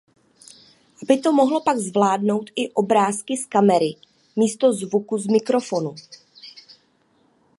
Aby to mohlo pak zvládat i obrázky z kamery místo zvuku z mikrofonu.